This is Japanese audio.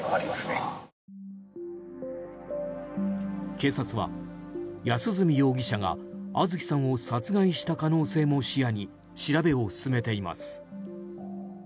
警察は安栖容疑者が杏月さんを殺害した可能性も視野に調べを進めています。